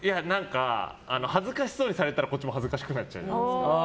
恥ずかしそうにされたらこっちも恥ずかしくなっちゃうじゃないですか。